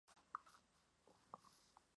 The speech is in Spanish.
Además, Lord Salisbury no era francmasón.